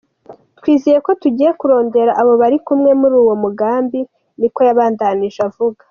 "Twizeye ko tugiye kurondera abo bari kumwe muri uwo mugambi," niko yabandanije avuga.